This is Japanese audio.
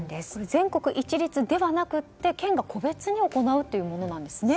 全国一律ではなくて県が個別に行うものなんですね。